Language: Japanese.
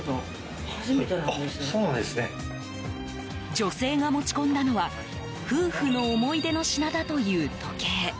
女性が持ち込んだのは夫婦の思い出の品だという時計。